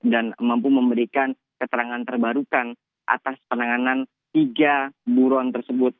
dan mampu memberikan keterangan terbarukan atas penanganan tiga buruan tersebut